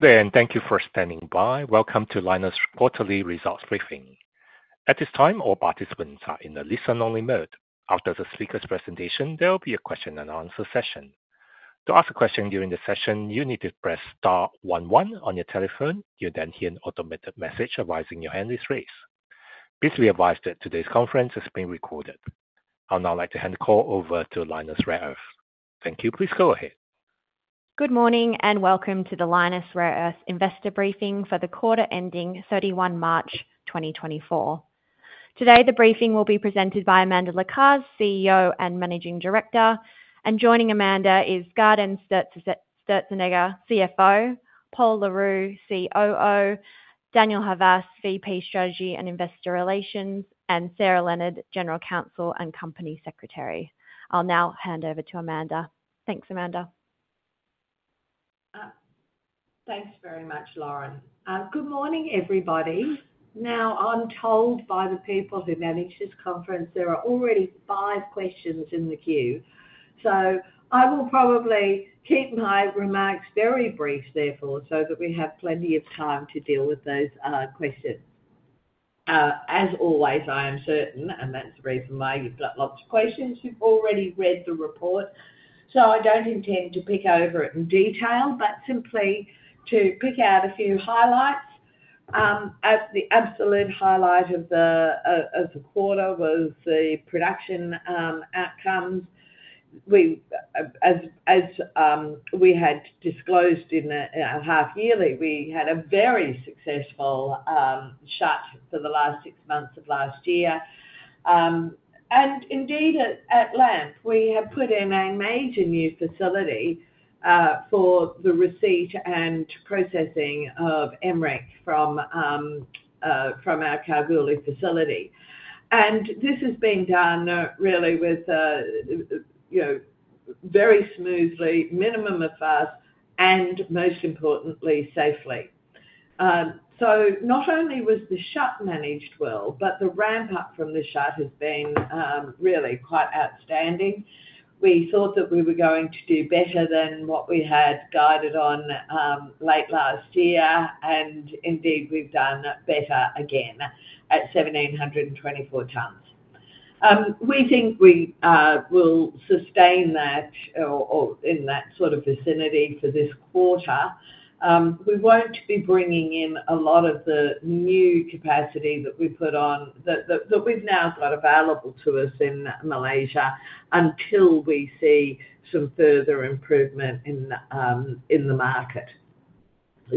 Good day and thank you for standing by. Welcome to Lynas' quarterly results briefing. At this time, all participants are in the listen-only mode. After the speaker's presentation, there will be a question-and-answer session. To ask a question during the session, you need to press star one one on your telephone. You'll then hear an automated message advising your hand is raised. Please be advised that today's conference is being recorded. I'd now like to hand the call over to Lynas Rare Earths. Thank you. Please go ahead. Good morning and welcome to the Lynas Rare Earths investor briefing for the quarter ending 31 March 2024. Today the briefing will be presented by Amanda Lacaze, CEO and Managing Director. Joining Amanda is Gaudenz Sturzenegger, CFO, Pol Le Roux, COO, Daniel Havas, VP Strategy and Investor Relations, and Sarah Leonard, General Counsel and Company Secretary. I'll now hand over to Amanda. Thanks, Amanda. Thanks very much, Lauren. Good morning, everybody. Now, I'm told by the people who manage this conference there are already five questions in the queue, so I will probably keep my remarks very brief, therefore, so that we have plenty of time to deal with those questions. As always, I am certain, and that's the reason why, you've got lots of questions. You've already read the report, so I don't intend to pick over it in detail, but simply to pick out a few highlights. The absolute highlight of the quarter was the production outcomes. As we had disclosed in our half-yearly, we had a very successful shut for the last six months of last year. Indeed, at LAMP, we have put in a major new facility for the receipt and processing of MREC from our Kalgoorlie facility. This has been done, really, very smoothly, minimum of fuss, and most importantly, safely. So not only was the shut managed well, but the ramp-up from the shut has been really quite outstanding. We thought that we were going to do better than what we had guided on late last year, and indeed, we've done better again at 1,724 tons. We think we will sustain that in that sort of vicinity for this quarter. We won't be bringing in a lot of the new capacity that we've put on that we've now got available to us in Malaysia until we see some further improvement in the market.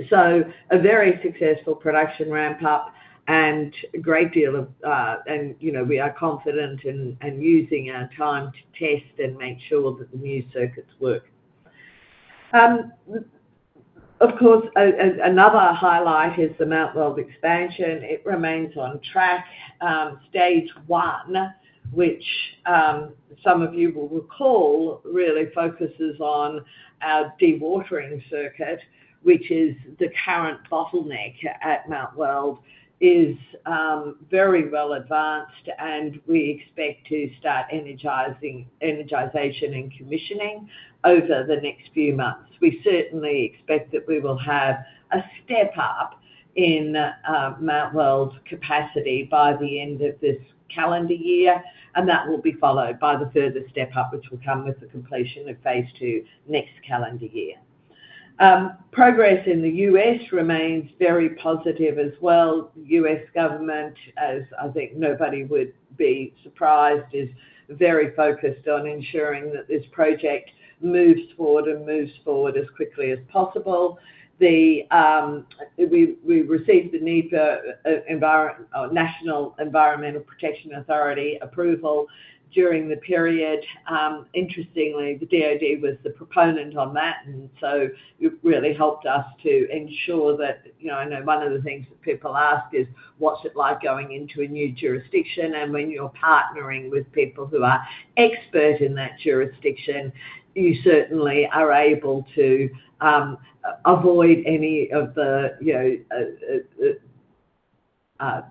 So a very successful production ramp-up and a great deal of, and we are confident in using our time to test and make sure that the new circuits work. Of course, another highlight is the Mt Weld expansion. It remains on track. Stage one, which some of you will recall, really focuses on our dewatering circuit, which is the current bottleneck at Mt Weld, is very well advanced, and we expect to start energisation and commissioning over the next few months. We certainly expect that we will have a step up in Mt Weld capacity by the end of this calendar year, and that will be followed by the further step up, which will come with the completion of phase two next calendar year. Progress in the U.S. remains very positive as well. The U.S. government, as I think nobody would be surprised, is very focused on ensuring that this project moves forward and moves forward as quickly as possible. We received the NEPA (National Environmental Policy Act) approval during the period. Interestingly, the DoD was the proponent on that, and so it really helped us to ensure that I know one of the things that people ask is, "What's it like going into a new jurisdiction?" And when you're partnering with people who are experts in that jurisdiction, you certainly are able to avoid any of the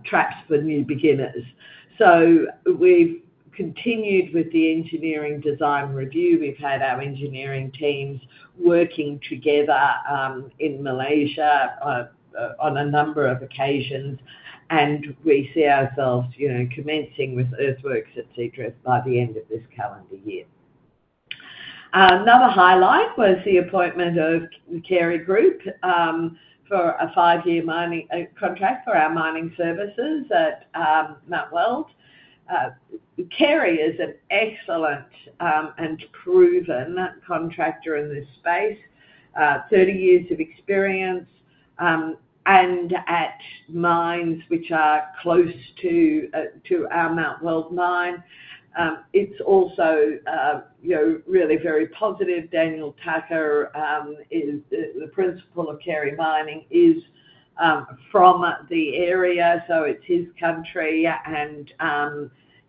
traps for new beginners. So we've continued with the engineering design review. We've had our engineering teams working together in Malaysia on a number of occasions, and we see ourselves commencing with earthworks, etc., by the end of this calendar year. Another highlight was the appointment of the Carey Group for a five-year contract for our mining services at Mt Weld. Carey is an excellent and proven contractor in this space, 30 years of experience, and at mines which are close to our Mt Weld mine. It's also really very positive. Daniel Tucker, the principal of Carey Group, is from the area, so it's his country, and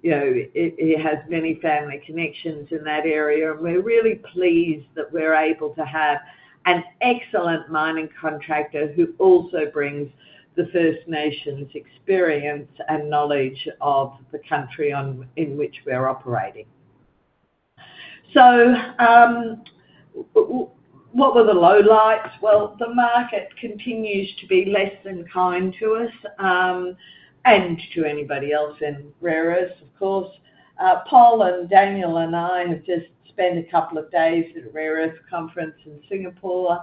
he has many family connections in that area. We're really pleased that we're able to have an excellent mining contractor who also brings the First Nations experience and knowledge of the country in which we're operating. What were the lowlights? Well, the market continues to be less than kind to us and to anybody else in rare earths, of course. Pol and Daniel and I have just spent a couple of days at a Rare Earths Conference in Singapore.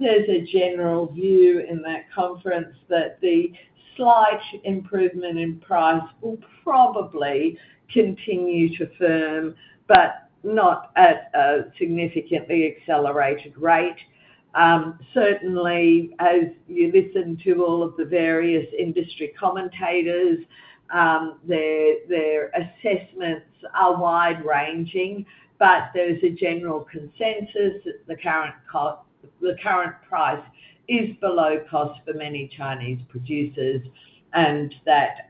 There's a general view in that conference that the slight improvement in price will probably continue to firm, but not at a significantly accelerated rate. Certainly, as you listen to all of the various industry commentators, their assessments are wide-ranging, but there's a general consensus that the current price is below cost for many Chinese producers, and that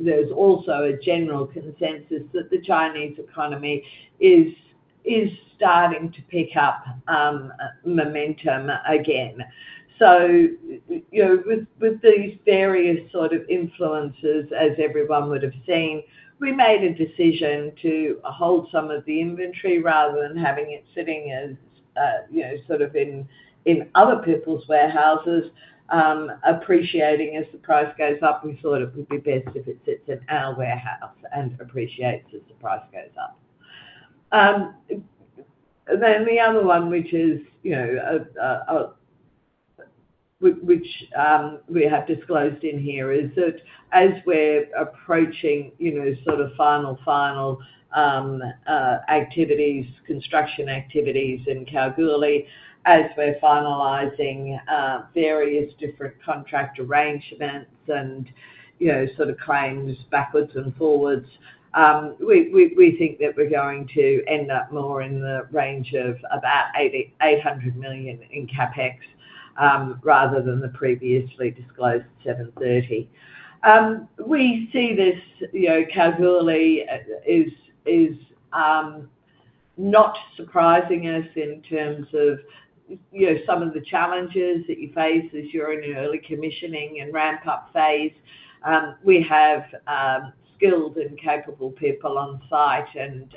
there's also a general consensus that the Chinese economy is starting to pick up momentum again. So with these various sort of influences, as everyone would have seen, we made a decision to hold some of the inventory rather than having it sitting sort of in other people's warehouses. Appreciating as the price goes up, we thought it would be best if it sits in our warehouse and appreciates as the price goes up. Then the other one, which we have disclosed in here, is that as we're approaching sort of final, final activities, construction activities in Kalgoorlie, as we're finalizing various different contract arrangements and sort of claims backwards and forwards, we think that we're going to end up more in the range of about 800 million in CapEx rather than the previously disclosed 730 million. We see this Kalgoorlie is not surprising us in terms of some of the challenges that you face as you're in an early commissioning and ramp-up phase. We have skilled and capable people on site and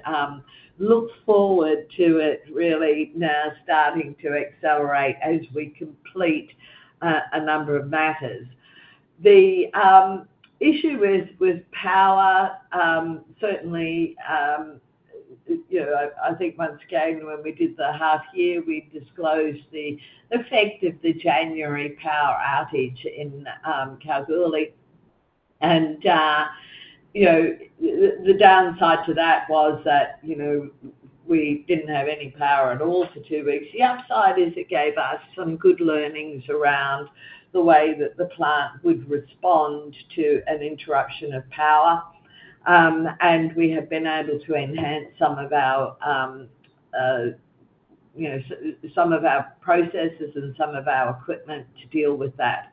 look forward to it really now starting to accelerate as we complete a number of matters. The issue with power, certainly, I think once again, when we did the half-year, we disclosed the effect of the January power outage in Kalgoorlie. The downside to that was that we didn't have any power at all for two weeks. The upside is it gave us some good learnings around the way that the plant would respond to an interruption of power, and we have been able to enhance some of our processes and some of our equipment to deal with that.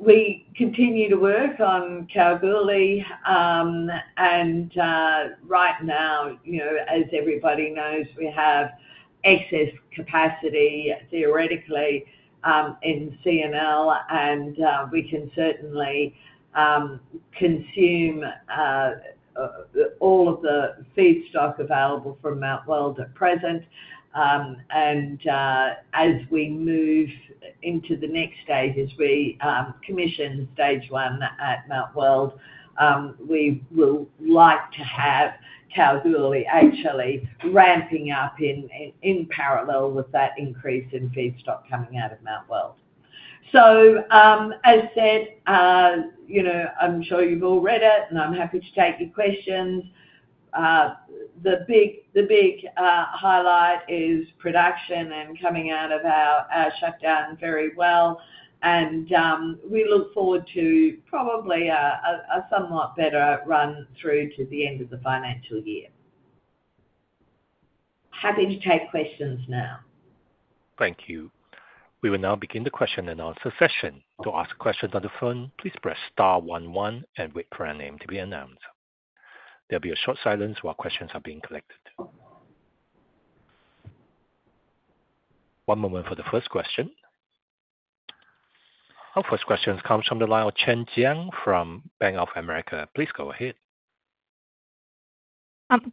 We continue to work on Kalgoorlie, and right now, as everybody knows, we have excess capacity, theoretically, in C&L, and we can certainly consume all of the feedstock available from Mt Weld at present. As we move into the next stage, as we commission stage one at Mt Weld, we will like to have Kalgoorlie, actually, ramping up in parallel with that increase in feedstock coming out of Mt Weld. As said, I'm sure you've all read it, and I'm happy to take your questions. The big highlight is production and coming out of our shutdown very well, and we look forward to probably a somewhat better run through to the end of the financial year. Happy to take questions now. Thank you. We will now begin the question-and-answer session. To ask questions on the phone, please press star one one and wait for a name to be announced. There'll be a short silence while questions are being collected. One moment for the first question. Our first question comes from the line of Chen Jiang from Bank of America. Please go ahead.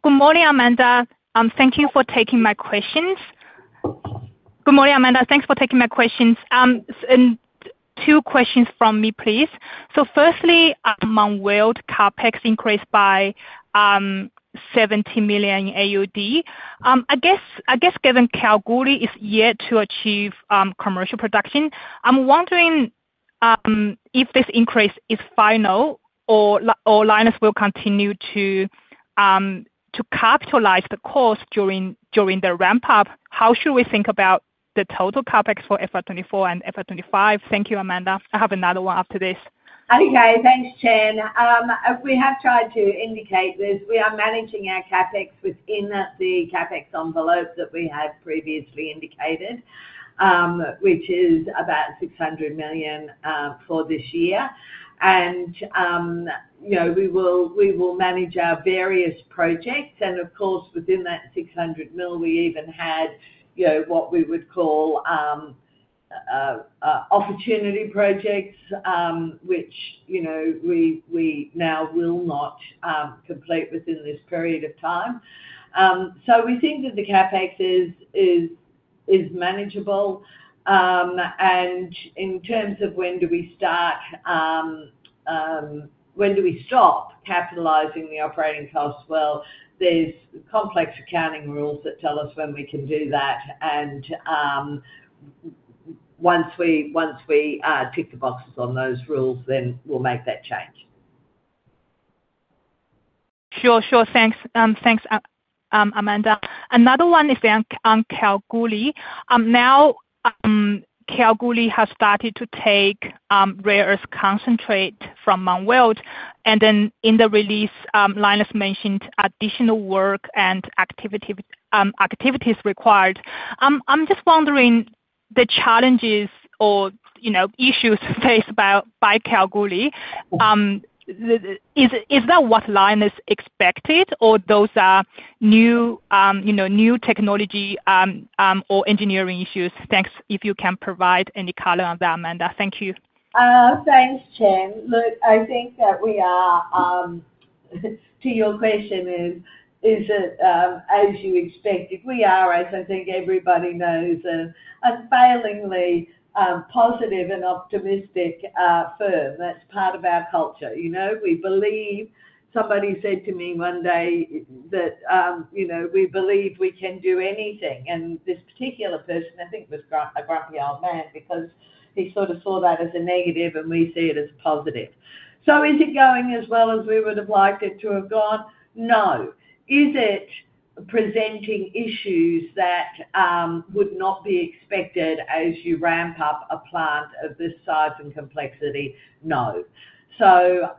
Good morning, Amanda. Thank you for taking my questions. Good morning, Amanda. Thanks for taking my questions. Two questions from me, please. Firstly, Mt Weld CapEx increased by 70 million AUD. I guess given Kalgoorlie is yet to achieve commercial production, I'm wondering if this increase is final or Lynas will continue to capitalize the cost during the ramp-up. How should we think about the total CapEx for FY 2024 and FY 2025? Thank you, Amanda. I have another one after this. Hi guys. Thanks, Chen. We have tried to indicate this. We are managing our CapEx within the CapEx envelope that we have previously indicated, which is about AUD 600 million for this year. We will manage our various projects. Of course, within that 600 million, we even had what we would call opportunity projects, which we now will not complete within this period of time. So we think that the CapEx is manageable. In terms of when do we start, when do we stop capitalizing the operating costs? Well, there's complex accounting rules that tell us when we can do that. Once we tick the boxes on those rules, then we'll make that change. Sure. Sure. Thanks, Amanda. Another one is on Kalgoorlie. Now, Kalgoorlie has started to take rare earths concentrate from Mt Weld, and then in the release, Lynas mentioned additional work and activities required. I'm just wondering the challenges or issues faced by Kalgoorlie. Is that what Lynas expected, or those are new technology or engineering issues? Thanks if you can provide any color on that, Amanda. Thank you. Thanks, Chen. Look, I think that we are to your question, is it as you expected? We are, as I think everybody knows, a famously positive and optimistic firm. That's part of our culture. We believe somebody said to me one day that we believe we can do anything. And this particular person, I think, was a grumpy old man because he sort of saw that as a negative, and we see it as a positive. So is it going as well as we would have liked it to have gone? No. Is it presenting issues that would not be expected as you ramp up a plant of this size and complexity? No. So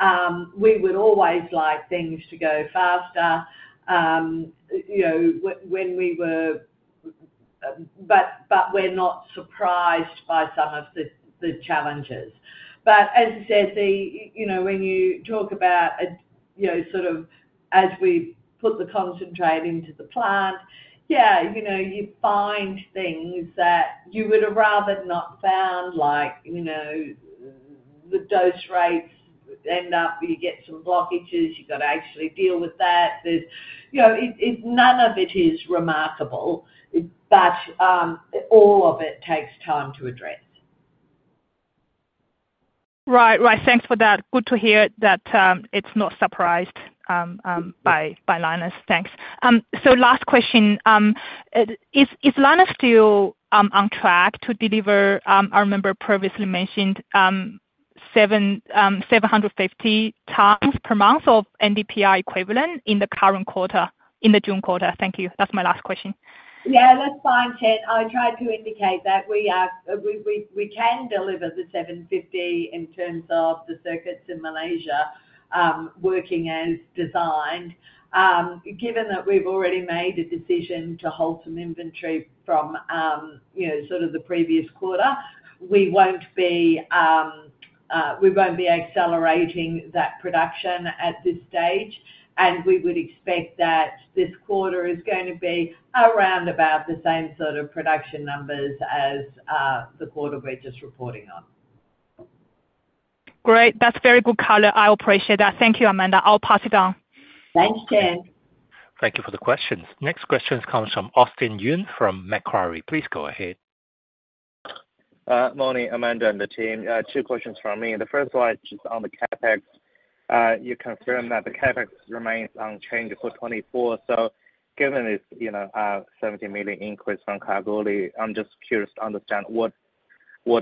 we would always like things to go faster when we were, but we're not surprised by some of the challenges. But as I said, when you talk about sort of as we put the concentrate into the plant, yeah, you find things that you would have rather not found, like the dose rates end up, you get some blockages. You've got to actually deal with that. None of it is remarkable, but all of it takes time to address. Right. Right. Thanks for that. Good to hear that it's not surprised by Lynas. Thanks. So last question. Is Lynas still on track to deliver, I remember previously mentioned, 750 tons per month of NdPr-equivalent in the current quarter, in the June quarter? Thank you. That's my last question. Yeah. That's fine, Chen. I tried to indicate that we can deliver the 750 in terms of the circuits in Malaysia working as designed. Given that we've already made a decision to hold some inventory from sort of the previous quarter, we won't be accelerating that production at this stage, and we would expect that this quarter is going to be around about the same sort of production numbers as the quarter we're just reporting on. Great. That's very good color. I appreciate that. Thank you, Amanda. I'll pass it on. Thanks, Chen. Thank you for the questions. Next question comes from Austin Yun from Macquarie. Please go ahead. Morning, Amanda and the team. Two questions from me. The first one is just on the CapEx. You confirm that the CapEx remains unchanged for 2024. So given this 70 million increase from Kalgoorlie, I'm just curious to understand what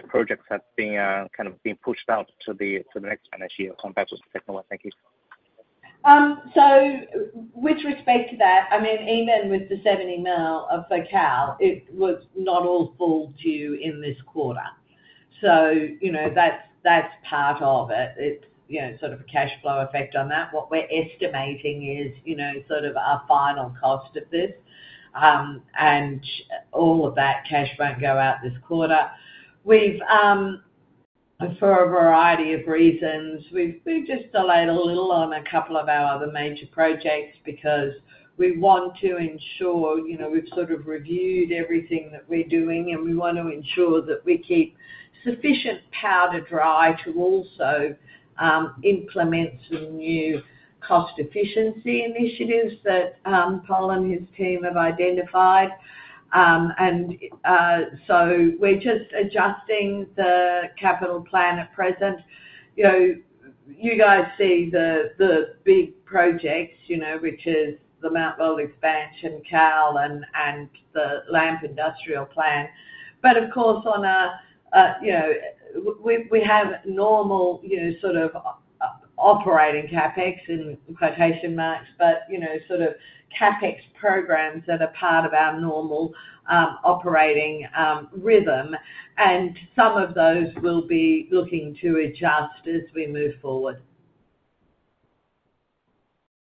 projects have been kind of pushed out to the next financial year compared to the second one. Thank you. So with respect to that, I mean, even with the 70 million of Kal, it was not all fall due in this quarter. So that's part of it. It's sort of a cash flow effect on that. What we're estimating is sort of our final cost of this, and all of that cash won't go out this quarter. For a variety of reasons, we've just delayed a little on a couple of our other major projects because we want to ensure we've sort of reviewed everything that we're doing, and we want to ensure that we keep sufficient powder dry to also implement some new cost-efficiency initiatives that Pol and his team have identified. And so we're just adjusting the capital plan at present. You guys see the big projects, which is the Mt Weld expansion, Kal, and the LAMP industrial plant. But of course, on a we have normal sort of operating CapEx, in quotation marks, but sort of CapEx programs that are part of our normal operating rhythm. And some of those will be looking to adjust as we move forward.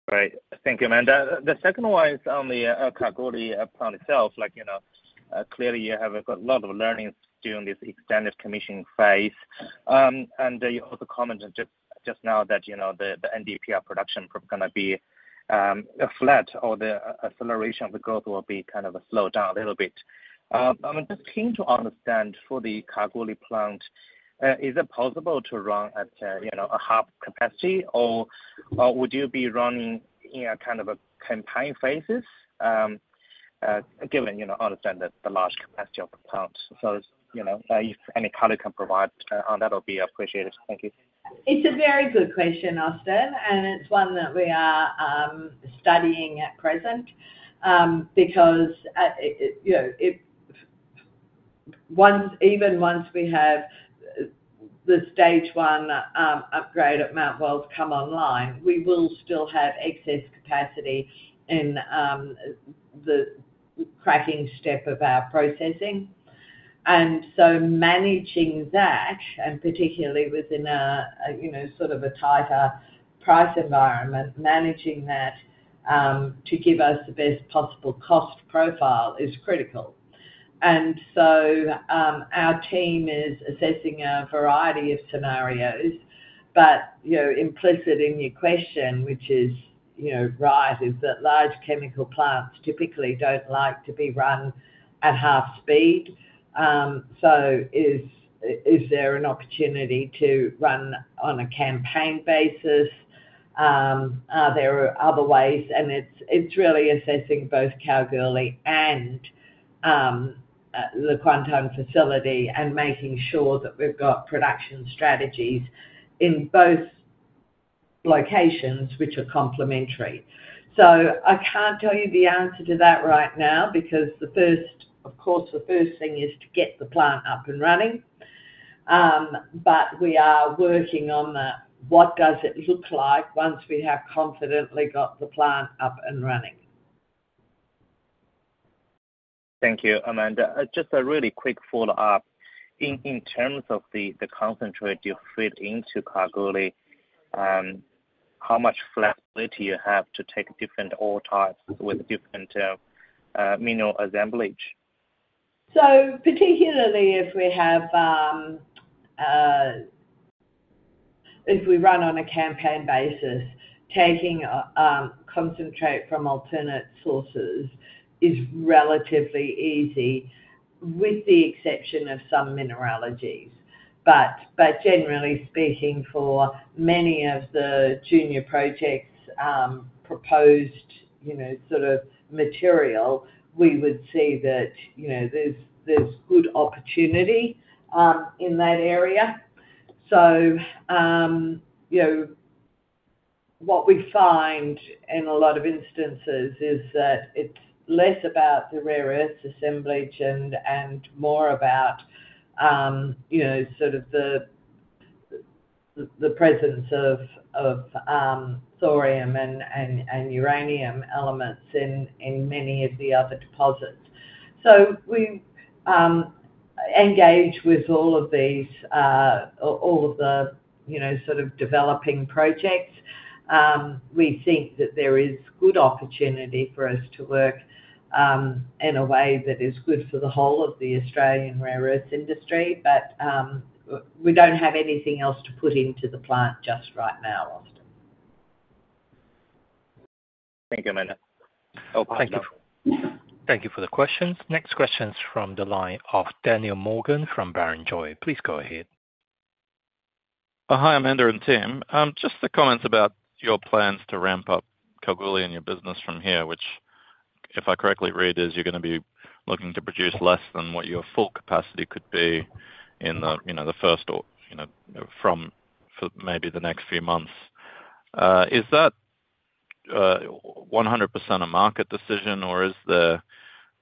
Great. Thank you, Amanda. The second one is on the Kalgoorlie plant itself. Clearly, you have a lot of learnings during this extended commissioning phase. And you also commented just now that the NdPr production is going to be flat or the acceleration of the growth will be kind of slowed down a little bit. I'm just keen to understand, for the Kalgoorlie plant, is it possible to run at a half capacity, or would you be running in kind of a campaign phases given understanding the large capacity of the plant? So if any color can provide on that, I'll be appreciative. Thank you. It's a very good question, Austin, and it's one that we are studying at present because even once we have the stage one upgrade at Mt Weld come online, we will still have excess capacity in the cracking step of our processing. And so managing that, and particularly within sort of a tighter price environment, managing that to give us the best possible cost profile is critical. And so our team is assessing a variety of scenarios. But implicit in your question, which is right, is that large chemical plants typically don't like to be run at half speed. So is there an opportunity to run on a campaign basis? Are there other ways? And it's really assessing both Kalgoorlie and the Kuantan facility and making sure that we've got production strategies in both locations, which are complementary. So I can't tell you the answer to that right now because of course, the first thing is to get the plant up and running. But we are working on that. What does it look like once we have confidently got the plant up and running? Thank you, Amanda. Just a really quick follow-up. In terms of the concentrate you feed into Kalgoorlie, how much flexibility do you have to take different ore types with different mineral assemblage? So particularly if we run on a campaign basis, taking concentrate from alternate sources is relatively easy, with the exception of some mineralogies. But generally speaking, for many of the junior projects' proposed sort of material, we would see that there's good opportunity in that area. So what we find in a lot of instances is that it's less about the rare earths assemblage and more about sort of the presence of thorium and uranium elements in many of the other deposits. So we engage with all of these sort of developing projects. We think that there is good opportunity for us to work in a way that is good for the whole of the Australian rare earths industry. But we don't have anything else to put into the plant just right now, Austin. Thank you, Amanda. Oh, thank you. Hello? Thank you for the questions. Next question's from the line of Daniel Morgan from Barrenjoey. Please go ahead. Hi, Amanda and team. Just the comments about your plans to ramp up Kalgoorlie and your business from here, which if I correctly read, is you're going to be looking to produce less than what your full capacity could be in the first or from maybe the next few months. Is that 100% a market decision, or is there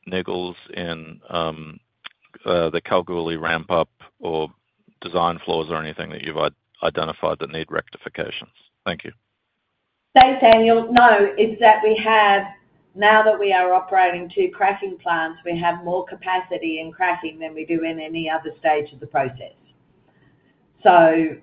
niggles in the Kalgoorlie ramp-up or design flaws or anything that you've identified that need rectifications? Thank you. Thanks, Daniel. No. It's that now that we are operating two cracking plants, we have more capacity in cracking than we do in any other stage of the process. So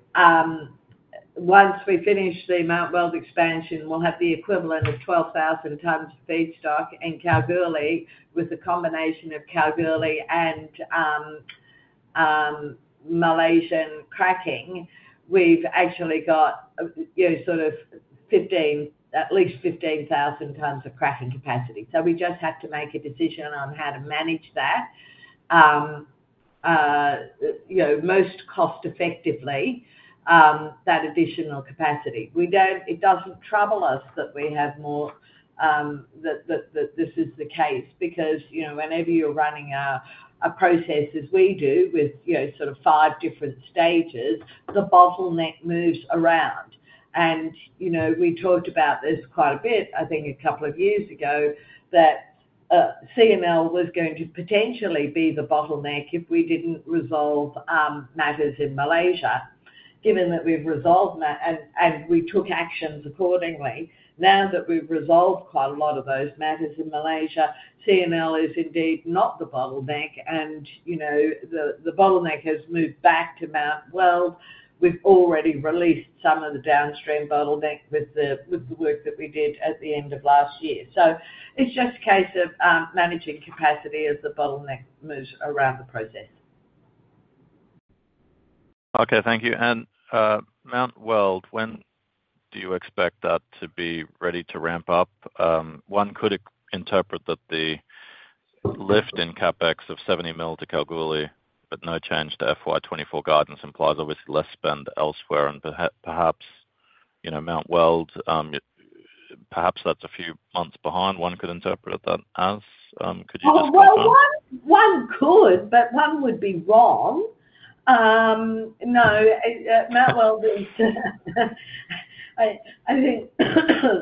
once we finish the Mt Weld expansion, we'll have the equivalent of 12,000 tons of feedstock. In Kalgoorlie, with the combination of Kalgoorlie and Malaysian cracking, we've actually got sort of at least 15,000 tons of cracking capacity. So we just have to make a decision on how to manage that most cost-effectively, that additional capacity. It doesn't trouble us that we have more that this is the case because whenever you're running a process as we do with sort of five different stages, the bottleneck moves around. And we talked about this quite a bit, I think, a couple of years ago, that C&L was going to potentially be the bottleneck if we didn't resolve matters in Malaysia. Given that we've resolved that and we took actions accordingly, now that we've resolved quite a lot of those matters in Malaysia, C&L is indeed not the bottleneck. The bottleneck has moved back to Mt Weld. We've already released some of the downstream bottleneck with the work that we did at the end of last year. It's just a case of managing capacity as the bottleneck moves around the process. Okay. Thank you. Mt Weld, when do you expect that to be ready to ramp up? One could interpret that the lift in CapEx of 70 million to Kalgoorlie but no change to FY 2024 guidance implies obviously less spend elsewhere. And perhaps Mt Weld, perhaps that's a few months behind. One could interpret that as. Could you just confirm? Well, one could, but one would be wrong. No. Mt Weld is I think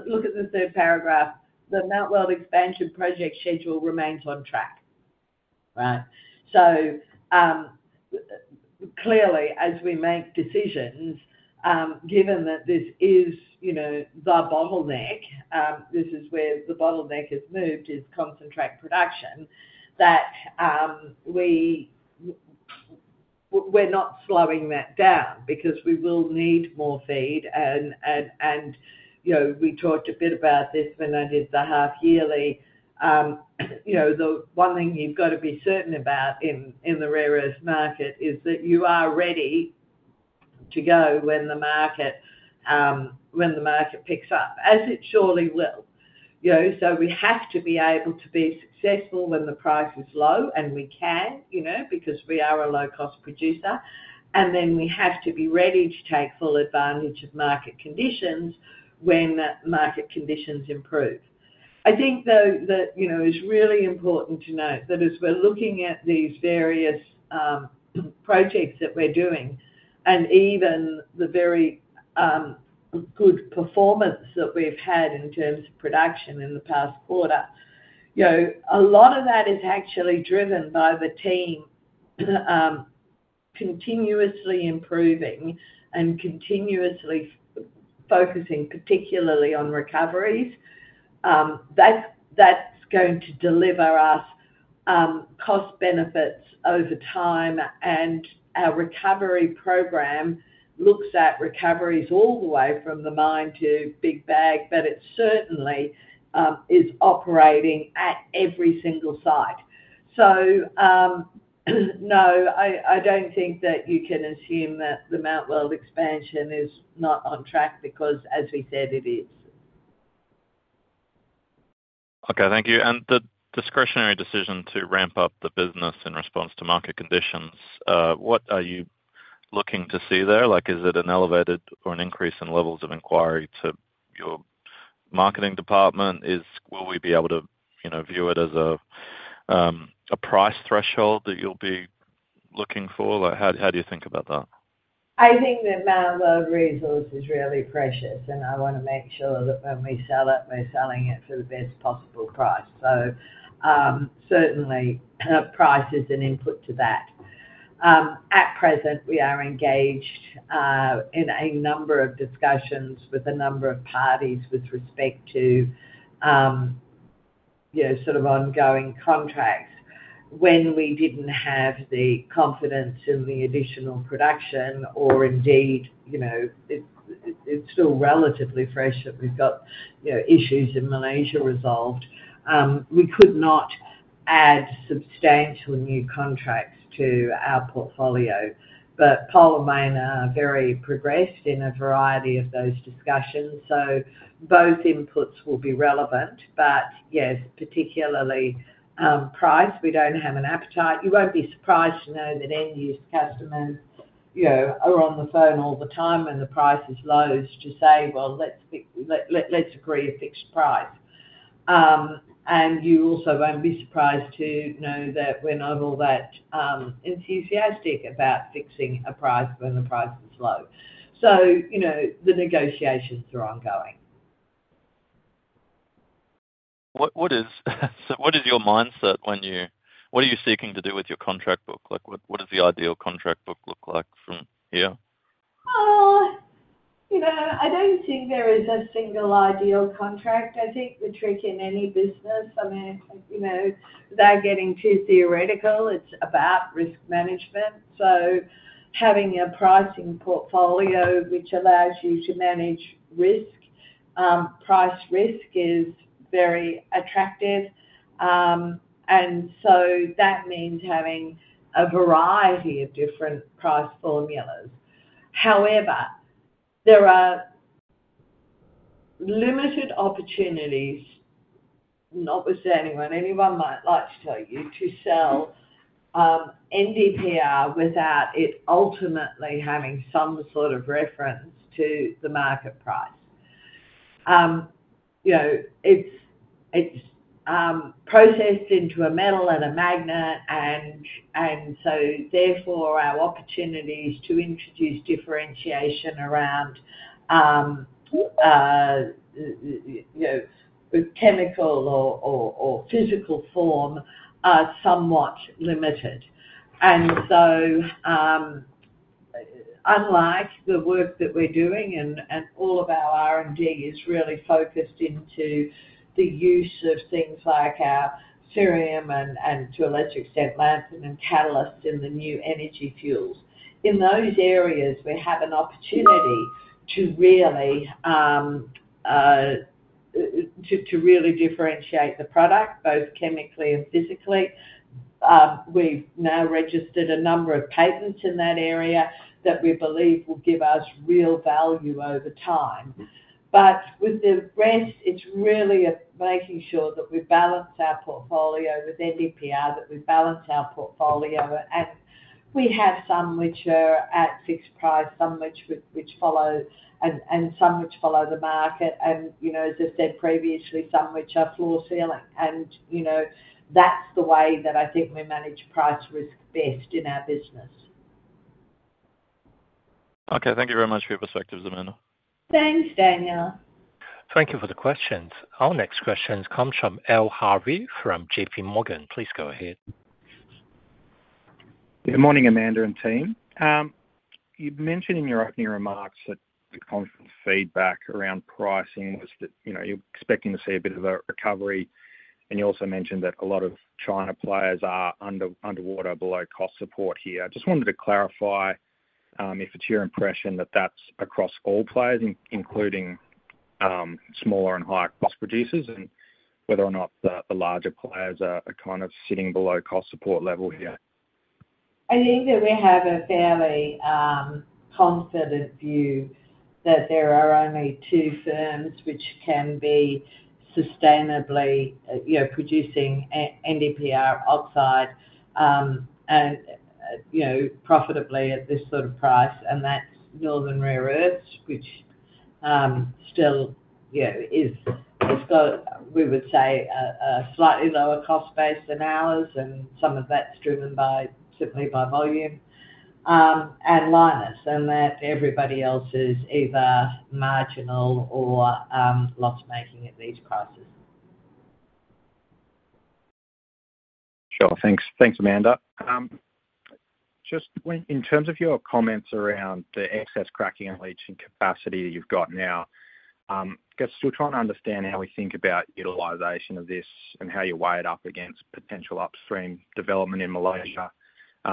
look at the third paragraph. The Mt Weld expansion project schedule remains on track, right? So clearly, as we make decisions, given that this is the bottleneck, this is where the bottleneck has moved, is concentrate production, that we're not slowing that down because we will need more feed. And we talked a bit about this when I did the half yearly. The one thing you've got to be certain about in the rare earths market is that you are ready to go when the market picks up, as it surely will. So we have to be able to be successful when the price is low, and we can because we are a low-cost producer. And then we have to be ready to take full advantage of market conditions when market conditions improve. I think, though, that it's really important to note that as we're looking at these various projects that we're doing and even the very good performance that we've had in terms of production in the past quarter, a lot of that is actually driven by the team continuously improving and continuously focusing, particularly on recoveries. That's going to deliver us cost benefits over time. Our recovery program looks at recoveries all the way from the mine to big bag, but it certainly is operating at every single site. So no, I don't think that you can assume that the Mt Weld expansion is not on track because, as we said, it is. Okay. Thank you. And the discretionary decision to ramp up the business in response to market conditions, what are you looking to see there? Is it an elevated or an increase in levels of inquiry to your marketing department? Will we be able to view it as a price threshold that you'll be looking for? How do you think about that? I think that Mt Weld resource is really precious, and I want to make sure that when we sell it, we're selling it for the best possible price. So certainly, price is an input to that. At present, we are engaged in a number of discussions with a number of parties with respect to sort of ongoing contracts. When we didn't have the confidence in the additional production or indeed it's still relatively fresh that we've got issues in Malaysia resolved, we could not add substantial new contracts to our portfolio. But Pol and I very progressed in a variety of those discussions. So both inputs will be relevant. But yes, particularly price, we don't have an appetite. You won't be surprised to know that end-use customers are on the phone all the time when the price is low to say, "Well, let's agree a fixed price." You also won't be surprised to know that we're not all that enthusiastic about fixing a price when the price is low. The negotiations are ongoing. So what is your mindset? What are you seeking to do with your contract book? What does the ideal contract book look like from here? Well, I don't think there is a single ideal contract. I think the trick in any business I mean, without getting too theoretical, it's about risk management. So having a pricing portfolio which allows you to manage risk, price risk is very attractive. And so that means having a variety of different price formulas. However, there are limited opportunities—not with anyone. Anyone might like to tell you—to sell NdPr without it ultimately having some sort of reference to the market price. It's processed into a metal and a magnet. And so therefore, our opportunities to introduce differentiation around chemical or physical form are somewhat limited. So unlike the work that we're doing and all of our R&D is really focused into the use of things like our cerium and, to a large extent, lanthanum and catalysts in the new energy fuels, in those areas, we have an opportunity to really differentiate the product, both chemically and physically. We've now registered a number of patents in that area that we believe will give us real value over time. But with the rest, it's really making sure that we balance our portfolio with NdPr, that we balance our portfolio. And we have some which are at fixed price, some which follow and some which follow the market. And as I said previously, some which are floor-ceiling. And that's the way that I think we manage price risk best in our business. Okay. Thank you very much for your perspectives, Amanda. Thanks, Daniel. Thank you for the questions. Our next questions come from Al Harvey from JPMorgan. Please go ahead. Good morning, Amanda and team. You mentioned in your opening remarks that the conference feedback around pricing was that you're expecting to see a bit of a recovery. You also mentioned that a lot of China players are underwater below cost support here. I just wanted to clarify if it's your impression that that's across all players, including smaller and higher-cost producers, and whether or not the larger players are kind of sitting below cost support level here? I think that we have a fairly confident view that there are only two firms which can be sustainably producing NdPr oxide and profitably at this sort of price. And that's Northern Rare Earths, which still has got, we would say, a slightly lower cost base than ours. And some of that's driven simply by volume and Lynas, and that everybody else is either marginal or loss-making at these prices. Sure. Thanks, Amanda. Just in terms of your comments around the excess cracking and leaching capacity that you've got now, I guess still trying to understand how we think about utilization of this and how you weigh it up against potential upstream development in Malaysia.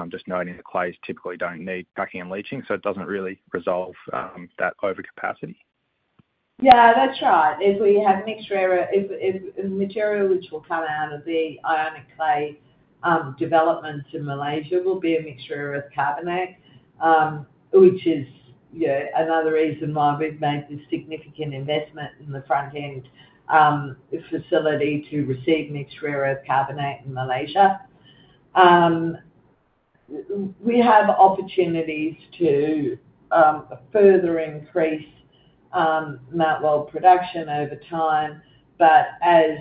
Just noting that clays typically don't need cracking and leaching, so it doesn't really resolve that overcapacity. Yeah. That's right. If we have mixed rare earths material which will come out of the ionic clay development in Malaysia will be a mixed rare earth carbonate, which is another reason why we've made this significant investment in the front-end facility to receive mixed rare earth carbonate in Malaysia. We have opportunities to further increase Mt Weld production over time. But as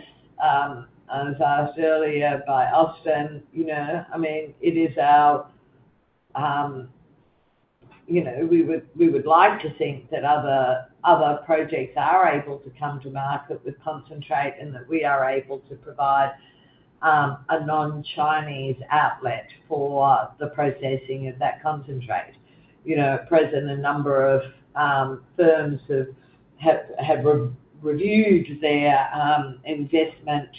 asked earlier by Austin, I mean, it is our we would like to think that other projects are able to come to market with concentrate and that we are able to provide a non-Chinese outlet for the processing of that concentrate. At present, a number of firms have reviewed their investment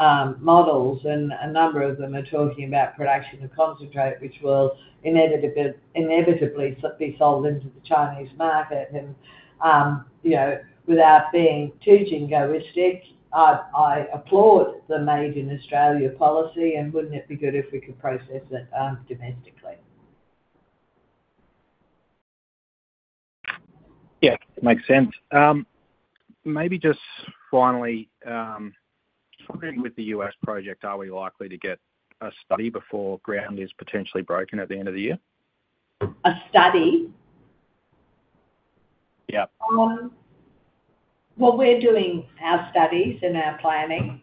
models. And a number of them are talking about production of concentrate, which will inevitably be sold into the Chinese market. And without being too jingoistic, I applaud the Made in Australia policy. Wouldn't it be good if we could process it domestically? Yeah. Makes sense. Maybe just finally, sorting with the U.S. project, are we likely to get a study before ground is potentially broken at the end of the year? A study? Yep. Well, we're doing our studies and our planning.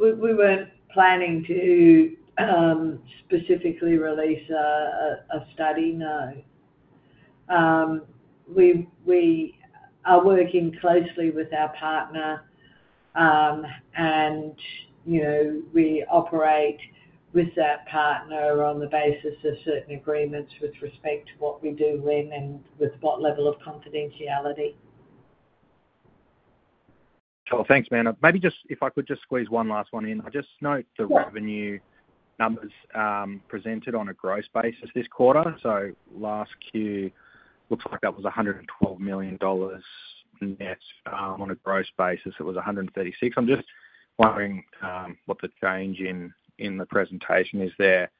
We weren't planning to specifically release a study. No. We are working closely with our partner, and we operate with that partner on the basis of certain agreements with respect to what we do when and with what level of confidentiality. Sure. Thanks, Amanda. Maybe just if I could just squeeze one last one in. I just note the revenue numbers presented on a gross basis this quarter. So last Q, looks like that was 112 million dollars net on a gross basis. It was 136 million. I'm just wondering what the change in the presentation is there.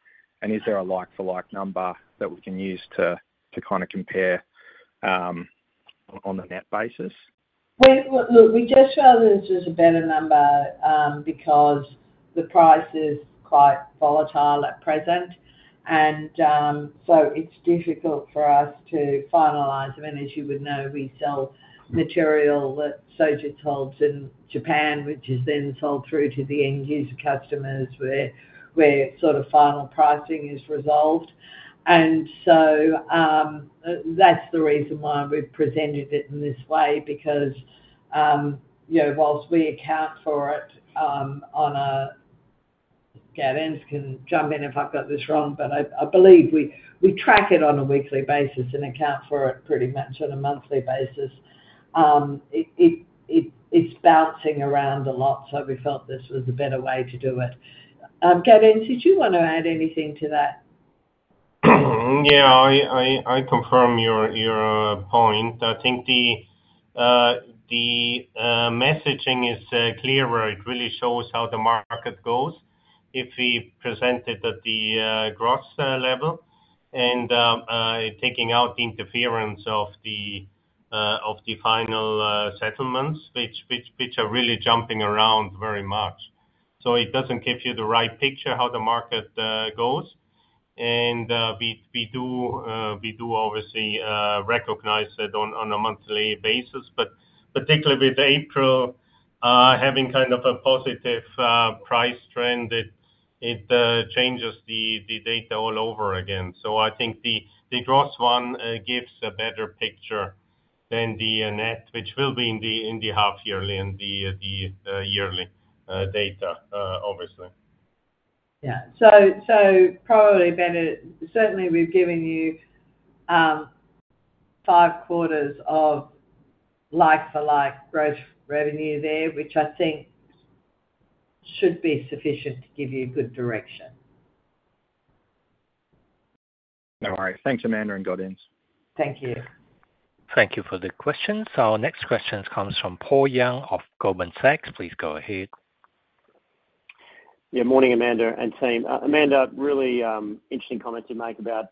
And is there a like-for-like number that we can use to kind of compare on the net basis? Well, look, we just felt this was a better number because the price is quite volatile at present. And so it's difficult for us to finalise. I mean, as you would know, we sell material that Sojitz holds in Japan, which is then sold through to the end-use customers where sort of final pricing is resolved. And so that's the reason why we've presented it in this way because whilst we account for it, Gaudenz can jump in if I've got this wrong, but I believe we track it on a weekly basis and account for it pretty much on a monthly basis. It's bouncing around a lot, so we felt this was a better way to do it. Gaudenz, did you want to add anything to that? Yeah. I confirm your point. I think the messaging is clear where it really shows how the market goes if we present it at the gross level and taking out the interference of the final settlements, which are really jumping around very much. So it doesn't give you the right picture how the market goes. And we do, obviously, recognize that on a monthly basis. But particularly with April having kind of a positive price trend, it changes the data all over again. So I think the gross one gives a better picture than the net, which will be in the half-yearly and the yearly data, obviously. Yeah. Probably better certainly, we've given you five quarters of like-for-like gross revenue there, which I think should be sufficient to give you good direction. No worries. Thanks, Amanda, and Gaudenz. Thank you. Thank you for the questions. Our next question comes from Paul Young of Goldman Sachs. Please go ahead. Yeah. Morning, Amanda and team. Amanda, really interesting comment you make about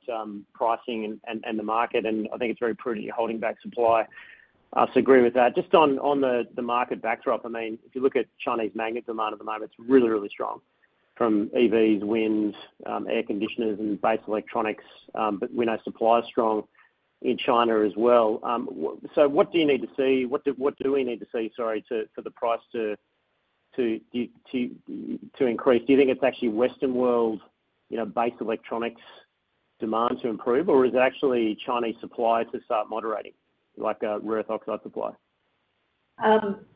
pricing and the market. And I think it's very prudent holding back supply. So agree with that. Just on the market backdrop, I mean, if you look at Chinese magnets demand at the moment, it's really, really strong from EVs, winds, air conditioners, and base electronics. But we know supply is strong in China as well. So what do we need to see, sorry, for the price to increase? Do you think it's actually Western world base electronics demand to improve, or is it actually Chinese supply to start moderating, like a rare earth oxide supply? I'll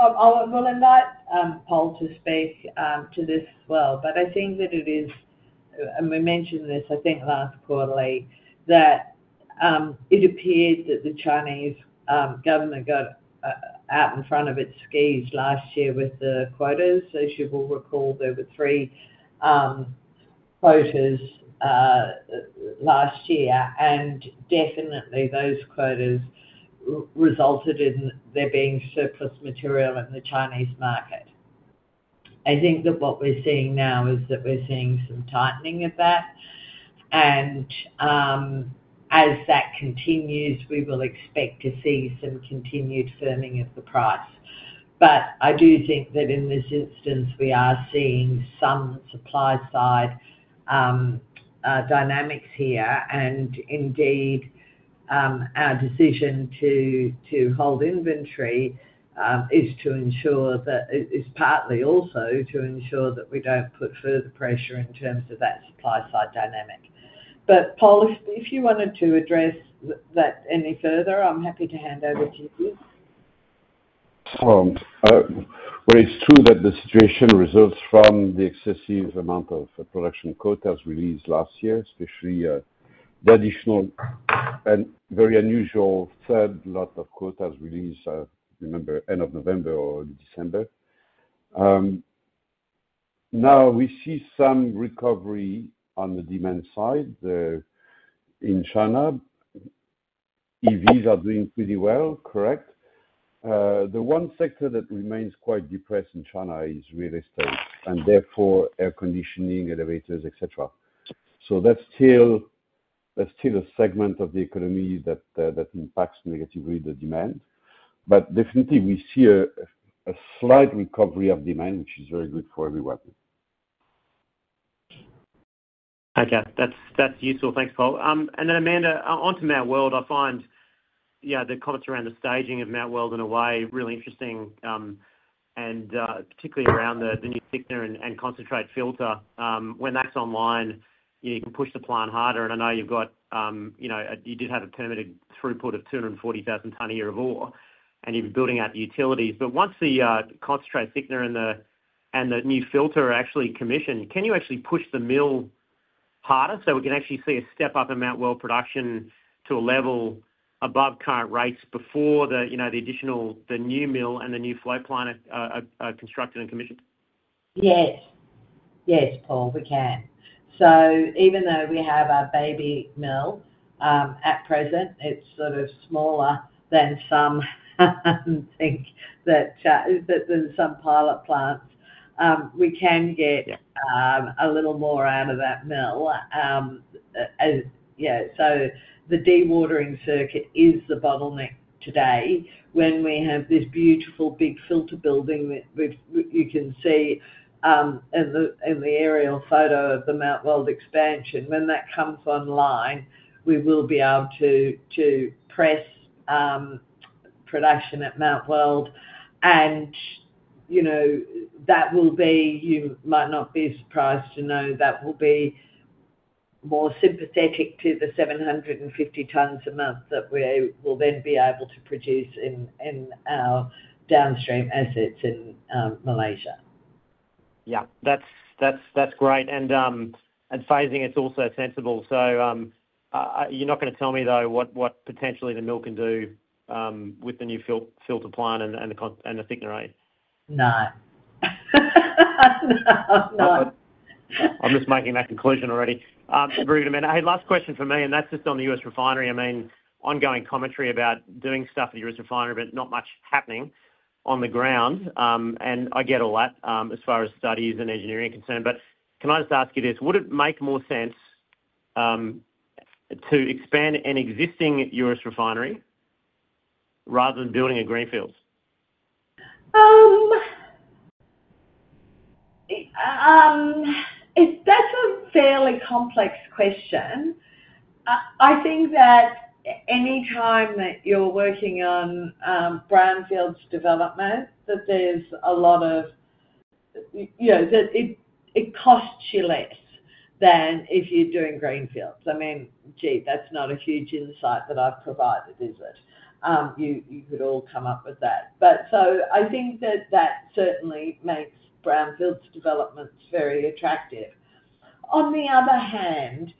embed that, Pol, to speak to this as well. But I think that it is and we mentioned this, I think, last quarterly, that it appeared that the Chinese government got out in front of its skis last year with the quotas. As you will recall, there were three quotas last year. And definitely, those quotas resulted in there being surplus material in the Chinese market. I think that what we're seeing now is that we're seeing some tightening of that. And as that continues, we will expect to see some continued firming of the price. But I do think that in this instance, we are seeing some supply-side dynamics here. And indeed, our decision to hold inventory is partly also to ensure that we don't put further pressure in terms of that supply-side dynamic. But Pol, if you wanted to address that any further, I'm happy to hand over to you. Well, it's true that the situation results from the excessive amount of production quotas released last year, especially the additional and very unusual third lot of quotas released, I remember, end of November or December. Now, we see some recovery on the demand side in China. EVs are doing pretty well, correct? The one sector that remains quite depressed in China is real estate and therefore air conditioning, elevators, etc. So that's still a segment of the economy that impacts negatively the demand. But definitely, we see a slight recovery of demand, which is very good for everyone. Okay. That's useful. Thanks, Pol. And then, Amanda, onto Mt Weld. I find the comments around the staging of Mt Weld, in a way, really interesting, and particularly around the new thickener and concentrate filter. When that's online, you can push the plan harder. And I know you did have a permitted throughput of 240,000 tons a year of ore, and you've been building out the utilities. But once the concentrate thickener and the new filter are actually commissioned, can you actually push the mill harder so we can actually see a step up in Mt Weld production to a level above current rates before the new mill and the new float plant are constructed and commissioned? Yes. Yes, Paul, we can. So even though we have our ball mill at present, it's sort of smaller than some think than some pilot plants, we can get a little more out of that mill. So the dewatering circuit is the bottleneck today. When we have this beautiful big filter building that you can see in the aerial photo of the Mt Weld expansion, when that comes online, we will be able to increase production at Mt Weld. And that will be you might not be surprised to know that will be more sympathetic to the 750 tons a month that we will then be able to produce in our downstream assets in Malaysia. Yeah. That's great. And advising, it's also sensible. So you're not going to tell me, though, what potentially the mill can do with the new filter plant and the thickener? No. No. No. I'm just making that conclusion already. Very good, Amanda. Hey, last question for me, and that's just on the U.S. refinery. I mean, ongoing commentary about doing stuff at the U.S. refinery but not much happening on the ground. And I get all that as far as studies and engineering are concerned. But can I just ask you this? Would it make more sense to expand an existing U.S. refinery rather than building at greenfields? That's a fairly complex question. I think that anytime that you're working on brownfields development, that there's a lot of that it costs you less than if you're doing greenfields. I mean, gee, that's not a huge insight that I've provided, is it? You could all come up with that. So I think that that certainly makes brownfields developments very attractive. On the other hand,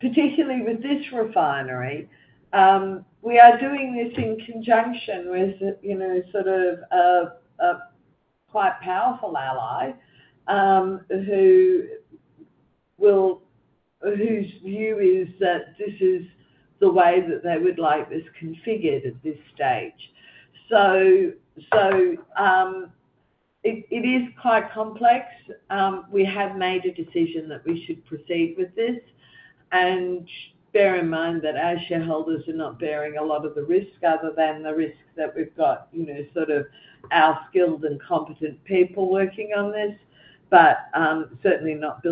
particularly with this refinery, we are doing this in conjunction with sort of a quite powerful ally whose view is that this is the way that they would like this configured at this stage. So it is quite complex. We have made a decision that we should proceed with this. Bear in mind that our shareholders are not bearing a lot of the risk other than the risk that we've got sort of our skilled and competent people working on this, but certainly not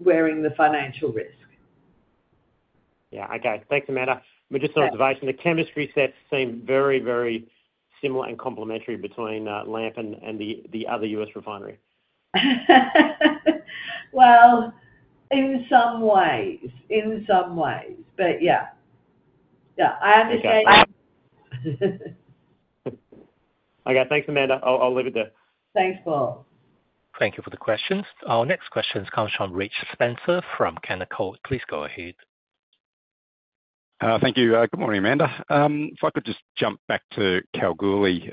wearing the financial risk. Yeah. Okay. Thanks, Amanda. But just an observation, the chemistry sets seem very, very similar and complementary between LAMP and the other U.S. refinery. Well, in some ways. In some ways. But yeah. Yeah. I understand. Okay. Thanks, Amanda. I'll leave it there. Thanks, Paul. Thank you for the questions. Our next question comes from Reg Spencer from Canaccord. Please go ahead. Thank you. Good morning, Amanda. If I could just jump back to Kalgoorlie.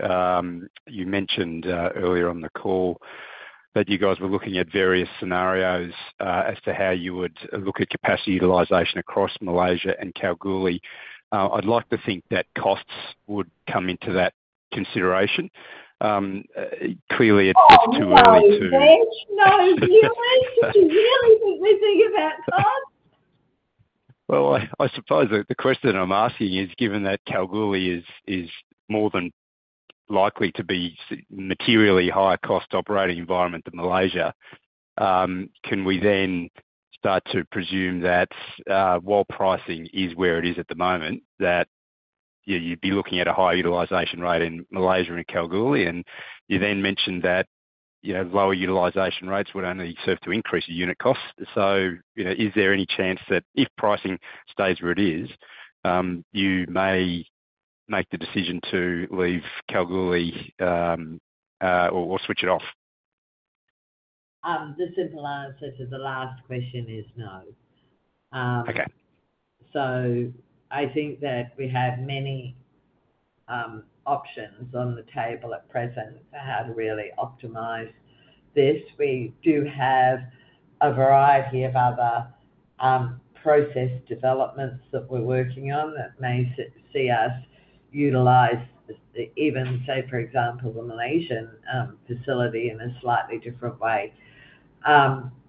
You mentioned earlier on the call that you guys were looking at various scenarios as to how you would look at capacity utilization across Malaysia and Kalgoorlie. I'd like to think that costs would come into that consideration. Clearly, it's too early to. Oh, no. Reg, no. Do you really think we think about costs? Well, I suppose the question I'm asking is, given that Kalgoorlie is more than likely to be a materially higher-cost operating environment than Malaysia, can we then start to presume that while pricing is where it is at the moment, that you'd be looking at a higher utilization rate in Malaysia and Kalgoorlie? And you then mentioned that lower utilization rates would only serve to increase your unit costs. So is there any chance that if pricing stays where it is, you may make the decision to leave Kalgoorlie or switch it off? The simple answer to the last question is no. So I think that we have many options on the table at present for how to really optimize this. We do have a variety of other process developments that we're working on that may see us utilize even, say, for example, the Malaysian facility in a slightly different way.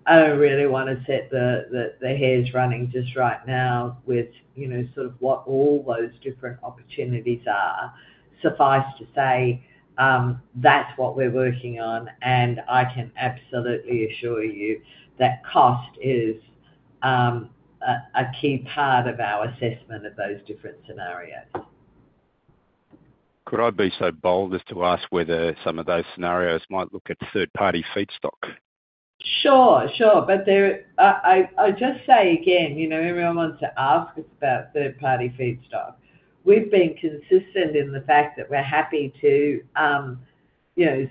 I don't really want to set the hairs running just right now with sort of what all those different opportunities are, suffice to say that's what we're working on. And I can absolutely assure you that cost is a key part of our assessment of those different scenarios. Could I be so bold as to ask whether some of those scenarios might look at third-party feedstock? Sure. Sure. But I'll just say again, everyone wants to ask us about third-party feedstock. We've been consistent in the fact that we're happy to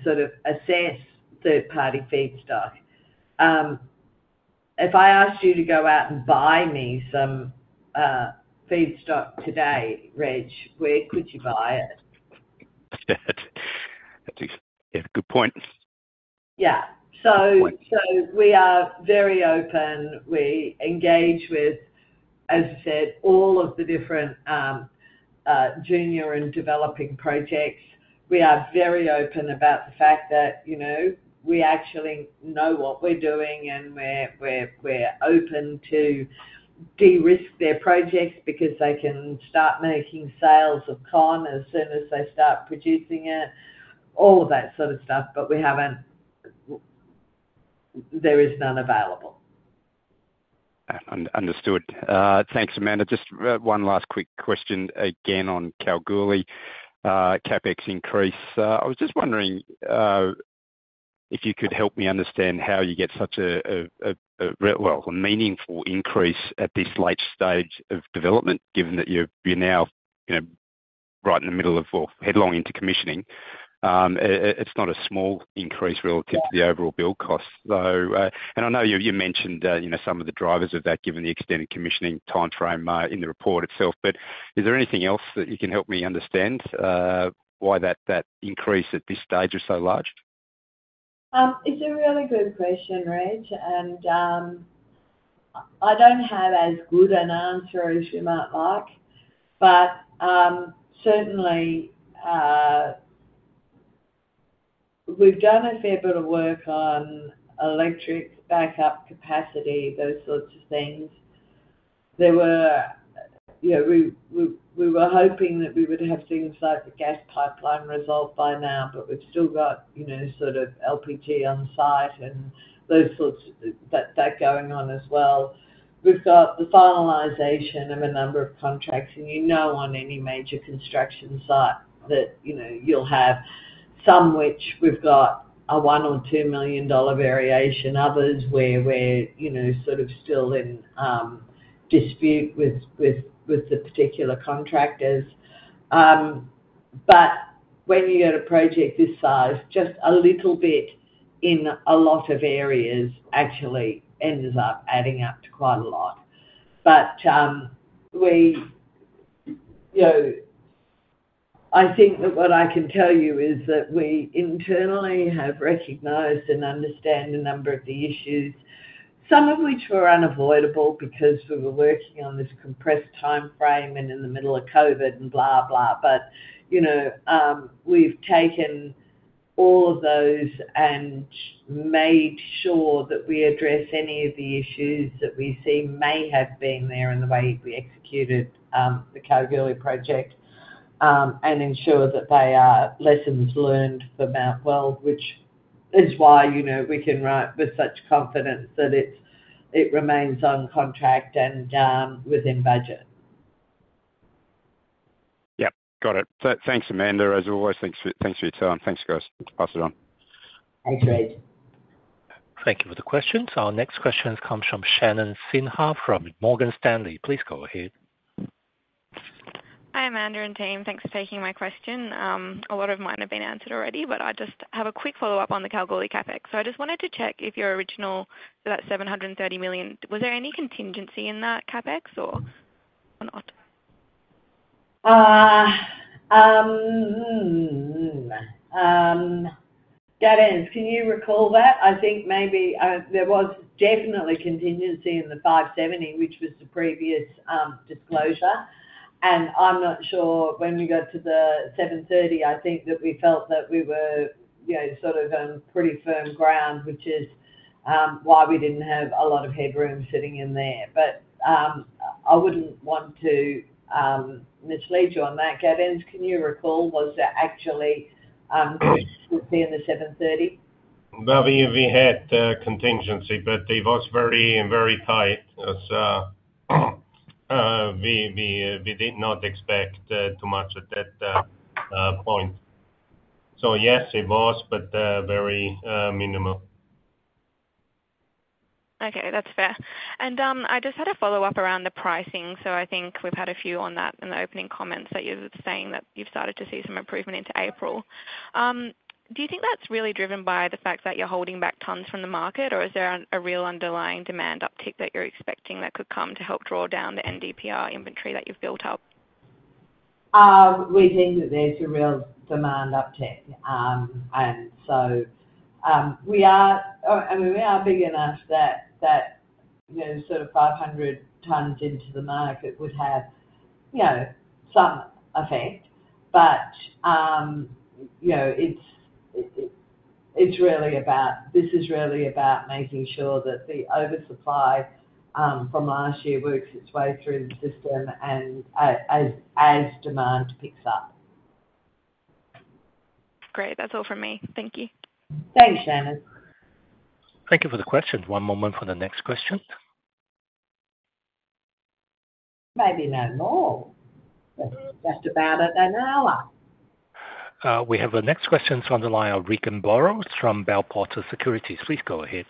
sort of assess third-party feedstock. If I asked you to go out and buy me some feedstock today, Reg, where could you buy it? Yeah. Good point. Yeah. So we are very open. We engage with, as you said, all of the different junior and developing projects. We are very open about the fact that we actually know what we're doing, and we're open to de-risk their projects because they can start making sales of carbonate as soon as they start producing it, all of that sort of stuff. But there is none available. Understood. Thanks, Amanda. Just one last quick question again on Kalgoorlie, CapEx increase. I was just wondering if you could help me understand how you get such a, well, a meaningful increase at this late stage of development, given that you're now right in the middle of, well, headlong into commissioning. It's not a small increase relative to the overall build cost, though. And I know you mentioned some of the drivers of that, given the extended commissioning timeframe in the report itself. But is there anything else that you can help me understand why that increase at this stage is so large? It's a really good question, Reg. I don't have as good an answer as you might like. Certainly, we've done a fair bit of work on electric backup capacity, those sorts of things. We were hoping that we would have things like the gas pipeline resolved by now, but we've still got sort of LPG on site and those sorts of that going on as well. We've got the finalisation of a number of contracts. You know on any major construction site that you'll have some which we've got an 1 million or 2 million dollar variation, others where we're sort of still in dispute with the particular contractors. When you've got a project this size, just a little bit in a lot of areas actually ends up adding up to quite a lot. But I think that what I can tell you is that we internally have recognized and understand a number of the issues, some of which were unavoidable because we were working on this compressed timeframe and in the middle of COVID and blah, blah. But we've taken all of those and made sure that we address any of the issues that we see may have been there in the way we executed the Kalgoorlie project and ensure that they are lessons learned for Mt Weld, which is why we can write with such confidence that it remains on track and within budget. Yep. Got it. Thanks, Amanda. As always, thanks for your time. Thanks, guys. Pass it on. Thanks, Reg. Thank you for the questions. Our next questions come from Shannon Sinha from Morgan Stanley. Please go ahead. Hi, Amanda and team. Thanks for taking my question. A lot of mine have been answered already, but I just have a quick follow-up on the Kalgoorlie CapEx. So I just wanted to check if your original for that 730 million, was there any contingency in that CapEx, or not? Gaudenz, can you recall that? I think maybe there was definitely contingency in the 570, which was the previous disclosure. I'm not sure when we got to the 730. I think that we felt that we were sort of on pretty firm ground, which is why we didn't have a lot of headroom sitting in there. I wouldn't want to mislead you on that. Gaudenz, can you recall, was there actually contingency in the 730? Well, we had contingency, but it was very, very tight. We did not expect too much at that point. So yes, it was, but very minimal. Okay. That's fair. And I just had a follow-up around the pricing. So I think we've had a few on that in the opening comments that you're saying that you've started to see some improvement into April. Do you think that's really driven by the fact that you're holding back tons from the market, or is there a real underlying demand uptick that you're expecting that could come to help draw down the NdPr inventory that you've built up? We think that there's a real demand uptick. And so we are I mean, we are big enough that sort of 500 tons into the market would have some effect. But it's really about this is really about making sure that the oversupply from last year works its way through the system as demand picks up. Great. That's all from me. Thank you. Thanks, Shannon. Thank you for the questions. One moment for the next question. Maybe no more. That's just about an hour. We have the next questions from Regan Burrows from Bell Potter Securities. Please go ahead.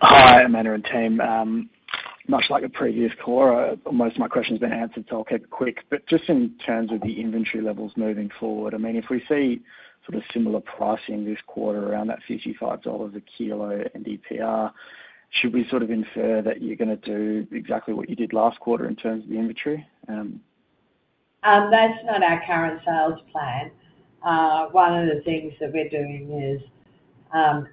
Hi, Amanda and team. Much like the previous call, most of my questions have been answered, so I'll keep it quick. But just in terms of the inventory levels moving forward, I mean, if we see sort of similar pricing this quarter around that 55 dollars a kilo NdPr, should we sort of infer that you're going to do exactly what you did last quarter in terms of the inventory? That's not our current sales plan. One of the things that we're doing is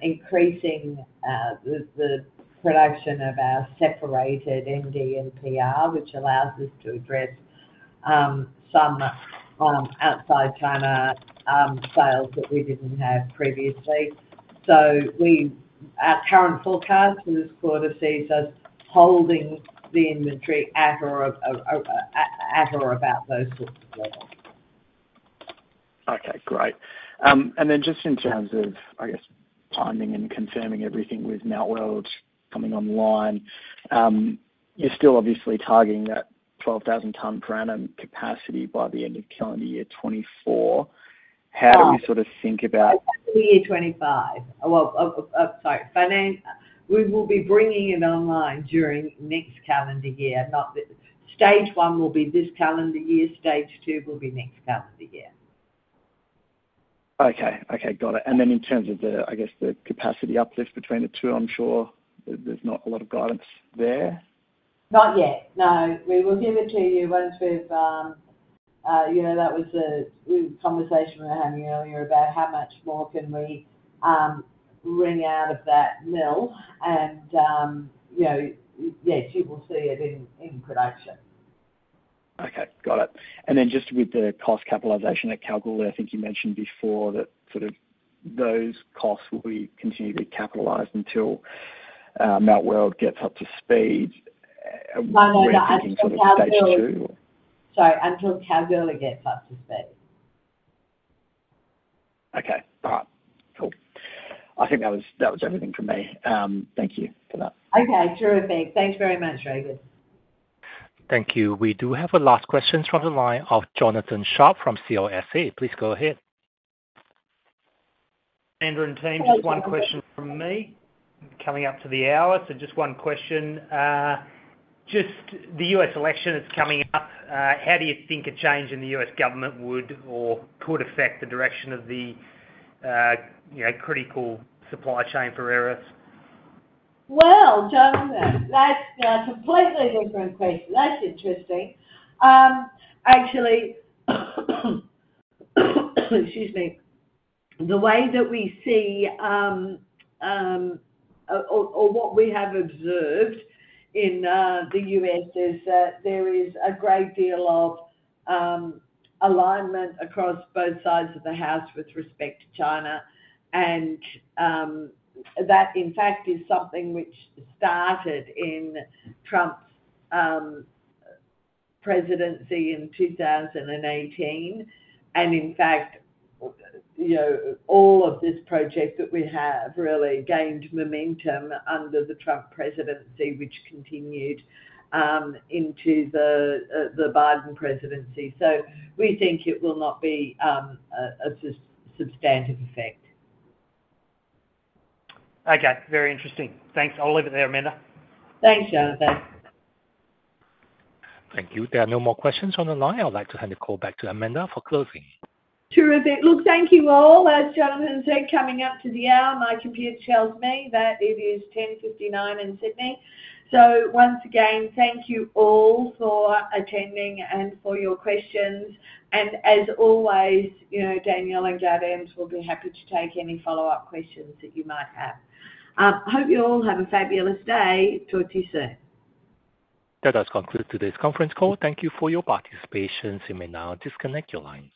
increasing the production of our separated NdPr, which allows us to address some outside China sales that we didn't have previously. So our current forecast for this quarter sees us holding the inventory at or about those sorts of levels. Okay. Great. And then just in terms of, I guess, timing and confirming everything with Mt Weld coming online, you're still obviously targeting that 12,000 tons per annum capacity by the end of calendar year 2024. How do we sort of think about? By the end of year 2025, well, sorry. We will be bringing it online during next calendar year. Stage one will be this calendar year. Stage two will be next calendar year. Okay. Okay. Got it. And then in terms of, I guess, the capacity uplift between the two, I'm sure there's not a lot of guidance there? Not yet. No. We will give it to you once we've that. That was the conversation we were having earlier about how much more can we bring out of that mill. Yes, you will see it in production. Okay. Got it. And then just with the cost capitalization at Kalgoorlie, I think you mentioned before that sort of those costs will continue to be capitalized until Mt Weld gets up to speed. No, no. That's until Kalgoorlie. We're thinking sort of stage two, or? Sorry. Until Kalgoorlie gets up to speed. Okay. All right. Cool. I think that was everything from me. Thank you for that. Okay. Thank you. Thanks very much, Regan. Thank you. We do have a last question from the line of Jonathan Sharp from CLSA. Please go ahead. Amanda and team, just one question from me. Coming up to the hour, so just one question. Just the U.S. election that's coming up, how do you think a change in the U.S. government would or could affect the direction of the critical supply chain for Arafura? Well, Jonathan, that's a completely different question. That's interesting. Actually, excuse me. The way that we see or what we have observed in the U.S. is that there is a great deal of alignment across both sides of the house with respect to China. That, in fact, is something which started in Trump's presidency in 2018. In fact, all of this project that we have really gained momentum under the Trump presidency, which continued into the Biden presidency. So we think it will not be a substantive effect. Okay. Very interesting. Thanks. I'll leave it there, Amanda. Thanks, Jonathan. Thank you. There are no more questions on the line. I'd like to hand the call back to Amanda for closing. True of it. Look, thank you all. As Jonathan said, coming up to the hour, my computer tells me that it is 10:59 A.M. in Sydney. So once again, thank you all for attending and for your questions. As always, Daniel and Gaudenz will be happy to take any follow-up questions that you might have. Hope you all have a fabulous day. Talk to you soon. That does conclude today's conference call. Thank you for your participation. You may now disconnect your lines.